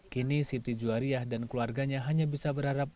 kini siti juwariah dan keluarganya hanya bisa berharap